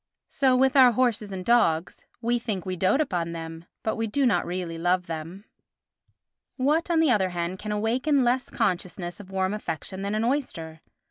So with our horses and dogs: we think we dote upon them, but we do not really love them. What, on the other hand, can awaken less consciousness of warm affection than an oyster?